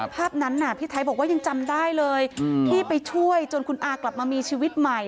ภาพนั้นน่ะพี่ไทยบอกว่ายังจำได้เลยที่ไปช่วยจนคุณอากลับมามีชีวิตใหม่